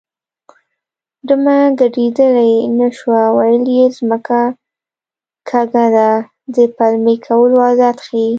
ډمه ګډېدلی نه شوه ویل یې ځمکه کږه ده د پلمې کولو عادت ښيي